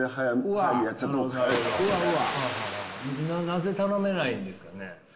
なぜ頼めないんですかね？